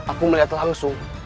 aku melihat langsung